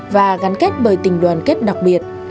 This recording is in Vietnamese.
và gắn kết bởi tình đoàn kết đặc biệt